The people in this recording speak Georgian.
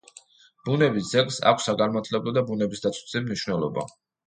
ბუნების ძეგლს აქვს საგანმანათლებლო და ბუნებისდაცვითი მნიშვნელობა.